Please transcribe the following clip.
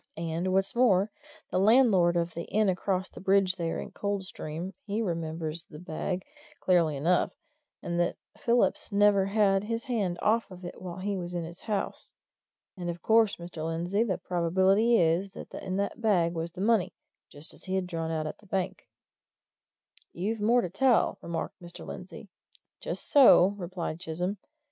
And what's more, the landlord of the inn across the bridge there at Coldstream he remembers the bag, clearly enough, and that Phillips never had his hand off it while he was in his house. And of course, Mr. Lindsey, the probability is that in that bag was the money just as he had drawn it out of the bank." "You've more to tell," remarked Mr. Lindsey. "Just so," replied Chisholm.